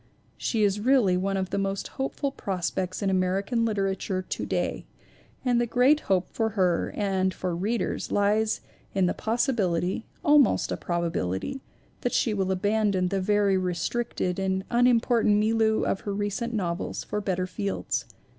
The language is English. She is really one of the most hopeful pros pects in American literature to day and the great hope for her and for readers lies in the possibility almost a probability that she will abandon the very re stricted and unimportant milieu of her recent novels for better fields.